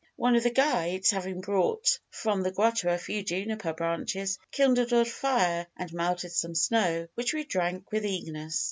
One of the guides, having brought from the grotto a few juniper branches, kindled a fire and melted some snow, which we drank with eagerness.